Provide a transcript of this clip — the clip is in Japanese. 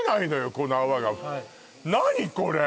この泡が何これ？